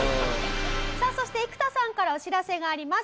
さあそして生田さんからお知らせがあります。